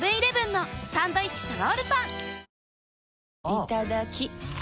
いただきっ！